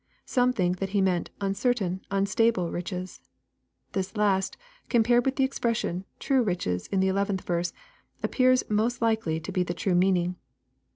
— Some think that He meant " uncertain, unstable riches." — This last, compared with the expres sion, " true riches," in the 11th verse, appears most likely to be the true meaning.